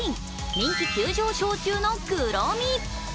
人気急上昇中のクロミ。